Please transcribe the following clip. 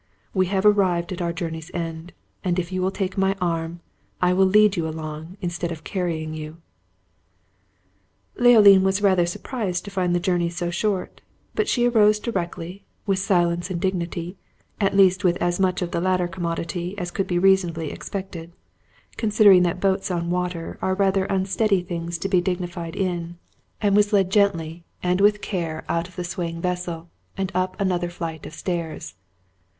We have arrived at our journey's end, and if you will take my arm, I will lead you along, instead of carrying you." Leoline was rather surprised to find the journey so short, but she arose directly, with silence and dignity at least with as much of the latter commodity as could be reasonably expected, considering that boats on water are rather unsteady things to be dignified in and was led gently and with care out of the swaying vessel, and up another flight of stairs.